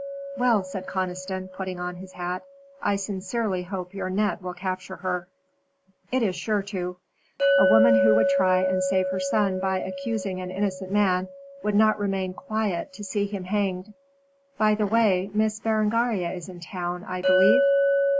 "Well," said Conniston, putting on his hat, "I sincerely hope your net will capture her." "It is sure to. A woman who would try and save her son by accusing an innocent man would not remain quiet to see him hanged. By the way, Miss Berengaria is in town, I believe?"